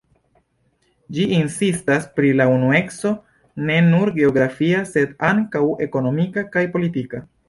Ĝi insistas pri la unueco ne nur geografia, sed ankaŭ ekonomika kaj politika.